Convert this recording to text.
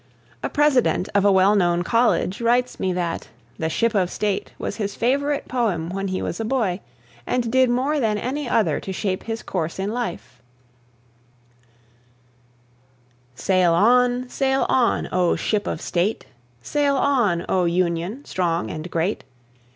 A president of a well known college writes me that "The Ship of State" was his favourite poem when he was a boy, and did more than any other to shape his course in life. Longfellow (1807 82). Sail on, sail on, O Ship of State! Sail on, O Union, strong and great!